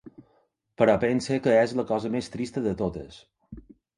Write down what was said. Però pense que és la cosa més trista de totes.